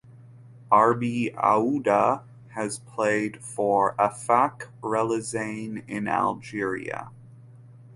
Arbi Aouda has played for Afak Relizane in Algeria.